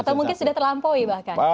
atau mungkin sudah terlampaui bahkan